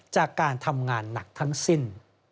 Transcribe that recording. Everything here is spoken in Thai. จากการทำงานหนักทั้งสิ้น